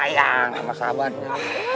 ya sama sahabatnya